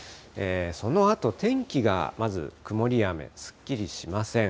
そのあと、天気がまず曇りや雨、すっきりしません。